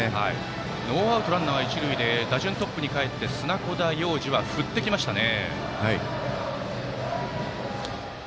ノーアウトランナー、一塁で打順はトップにかえって砂子田陽士は振ってきましたね。